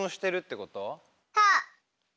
そう！